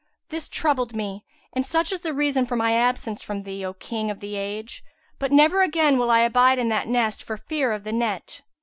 This troubled me, and such is the reason for my absence from thee, O King of the Age, but never again will I abide in that nest for fear of the net."